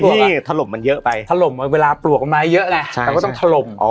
นี่ทะลมมันเยอะไปทะลมมันเวลาปลวกมันมาเนี่ยเยอะแน่แต่ก็ต้องทะลม